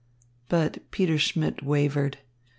But Peter Schmidt wavered.